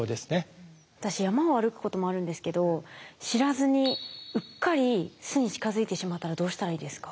私山を歩くこともあるんですけど知らずにうっかり巣に近づいてしまったらどうしたらいいですか？